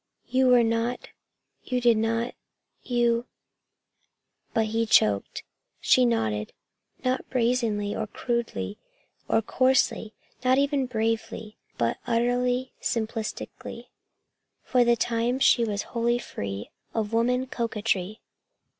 "You were not you did not you " But he choked. She nodded, not brazenly or crudely or coarsely, not even bravely, but in utter simplicity. For the time she was wholly free of woman coquetry.